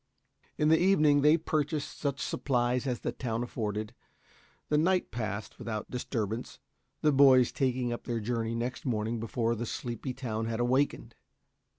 In the evening, they purchased such supplies as the town afforded. The night passed with out disturbance, the boys taking up their journey next morning before the sleepy town had awakened.